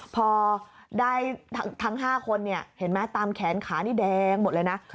พอได้ทั้ง๕คนเห็นไหมตามแขนขานี่แดงหมดเลยนะ